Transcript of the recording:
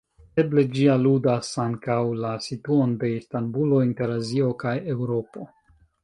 Eble ĝi aludas ankaŭ la situon de Istanbulo inter Azio kaj Eŭropo.